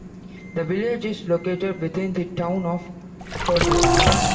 The village is located within the Town of Couderay.